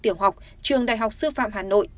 tiểu học trường đại học sư phạm hà nội